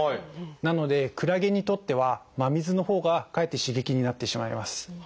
なのでクラゲにとっては真水のほうがかえって刺激になってしまいます。